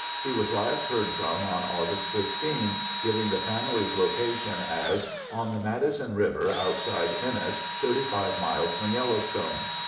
He was last heard from on August 15, giving the families' location as "on the Madison River, outside Ennis, 35 miles from Yellowstone."